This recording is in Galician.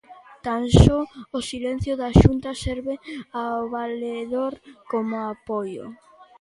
Tan só o silencio da Xunta serve ao Valedor coma apoio.